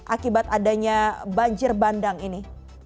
akibat adanya banjir bandang ini